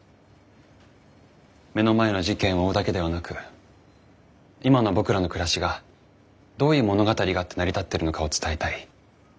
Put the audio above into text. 目の前の事件を追うだけではなく今の僕らの暮らしがどういう物語があって成り立ってるのかを伝えたい。